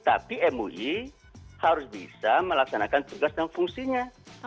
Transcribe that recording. tapi mui harus bisa melaksanakan tugas dan fungsinya